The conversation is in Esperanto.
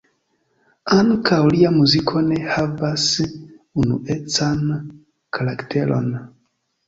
Ankaŭ lia muziko ne havas unuecan karakteron.